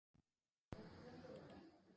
Halaber, lurpeko hiru solairu ditu.